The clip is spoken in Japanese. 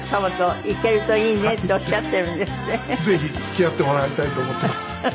ぜひ付き合ってもらいたいと思っています。